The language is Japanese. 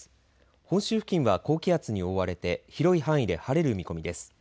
本州付近は高気圧に覆われて広い範囲で晴れる見込みです。